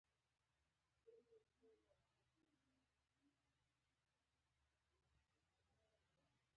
کنجاړه یا سویا او د جوارو بوس هم د کبانو خواړه دي.